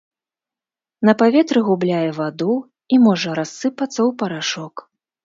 На паветры губляе ваду і можа рассыпацца ў парашок.